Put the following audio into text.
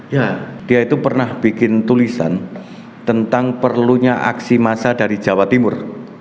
ya dia itu pernah bikin tulisan tentang perlunya aksi massa dari jawa timur